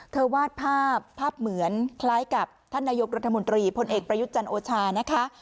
วาดภาพภาพเหมือนคล้ายกับท่านนายกรัฐมนตรีพลเอกประยุทธ์จันทร์โอชานะคะ